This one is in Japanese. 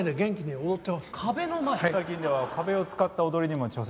最近では壁を使った踊りにも挑戦してますよ。